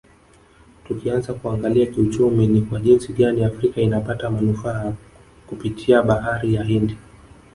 Tukianza kuangalia kiuchumi ni kwa jinsi gani afrika inapata manufaa kipitia bahari ya Hindi